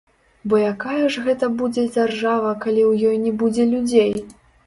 Бо якая ж гэта будзе дзяржава, калі ў ёй не будзе людзей?!